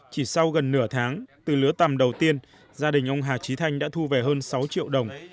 chỉ sau gần nửa tháng từ lứa tầm đầu tiên gia đình ông hà trí thanh đã thu về hơn sáu triệu đồng